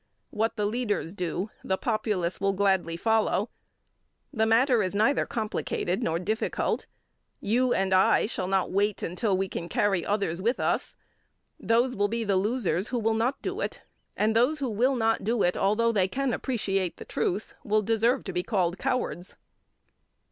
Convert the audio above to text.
What the leaders do, the populace will gladly follow. The matter is neither complicated nor difficult. You and I shall not wait until we can carry others with us. Those will be the losers who will not do it, and those who will not do it, although they can appreciate the truth, will deserve to be called cowards.